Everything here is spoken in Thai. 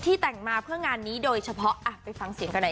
โมทตอนนี้โมเม้นท์มั่นไซน์โมทแต่งตัวน้อยที่สุดในงานเลย